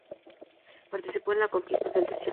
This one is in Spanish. Participó de la Conquista del Desierto.